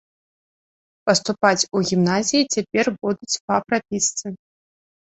Паступаць у гімназіі цяпер будуць па прапісцы.